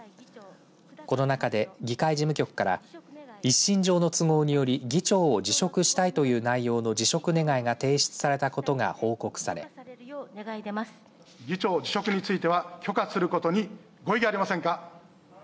この中で議会事務局から一身上の都合により議長を辞職したいという内容の辞職願が提出されたことが報告され議長辞職については許可することに意義ありませんか。